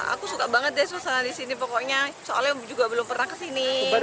aku suka banget deh suasana di sini pokoknya soalnya juga belum pernah kesini